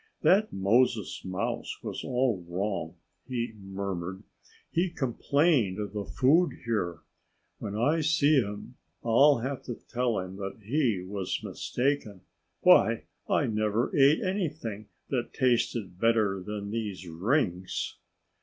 "That Moses Mouse was all wrong," he murmured. "He complained of the food here. When I see him I'll have to tell him that he was mistaken. Why, I never ate anything that tasted better than these rings!"